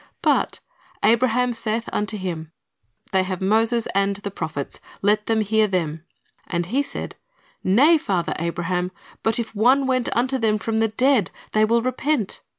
But "Abraham saith unto him. They have Moses and the prophets; let them hear them. And he said. Nay, father Abraham; but if one went unto them from the dead, they will repent.